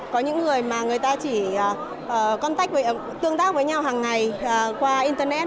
có những người mà người ta chỉ tương tác với nhau hàng ngày qua internet